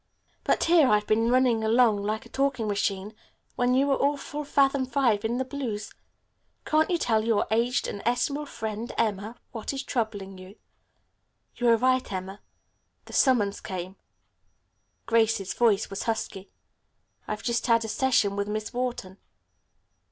But here I've been running along like a talking machine when you are 'full fathom five' in the blues. Can't you tell your aged and estimable friend, Emma, what is troubling you?" "You were right, Emma. The summons came." Grace's voice was husky. "I've just had a session with Miss Wharton."